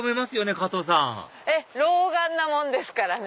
かとうさんええ老眼なもんですからね。